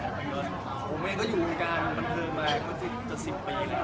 ผมเองก็อยู่ในการบันเทิงมาก็จะ๑๐ปีแล้ว